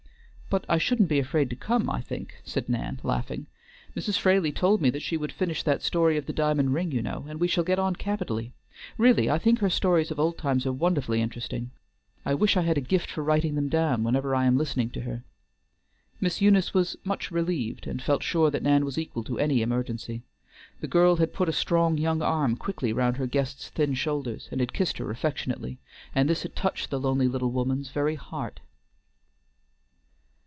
"But I shouldn't be afraid to come, I think," said Nan, laughing. "Mrs. Fraley told me that she would finish that story of the diamond ring, you know, and we shall get on capitally. Really I think her stories of old times are wonderfully interesting. I wish I had a gift for writing them down whenever I am listening to her." Miss Eunice was much relieved, and felt sure that Nan was equal to any emergency. The girl had put a strong young arm quickly round her guest's thin shoulders, and had kissed her affectionately, and this had touched the lonely little woman's very heart.